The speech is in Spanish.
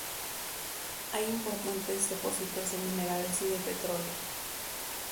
Hay importantes depósitos de minerales y de petróleo.